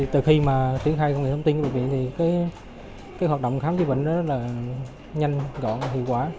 từ khi mà tiến khai công nghệ thông tin của bệnh viện thì hoạt động khám chữa bệnh là nhanh gọn hiệu quả